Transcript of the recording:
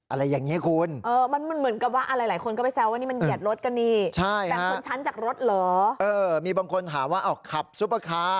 อะไรอย่างนี้คุณ